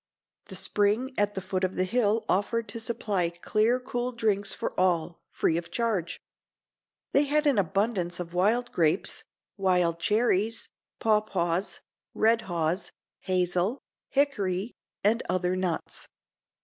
The spring at the foot of the hill offered to supply clear cool drinks for all, free of charge. They had an abundance of wild grapes, wild cherries, pawpaws, red haws, hazel, hickory and other nuts.